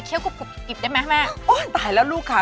เคี้ยวกรุบกรุบกริบกริบได้ไหมแม่โอ้ยตายแล้วลูกค่ะ